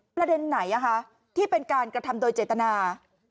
ประเด็นไหนที่เป็นการกระทำโดยเจตนา